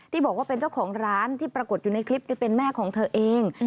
บอกว่าเป็นเจ้าของร้านที่ปรากฏอยู่ในคลิปเป็นแม่ของเธอเอง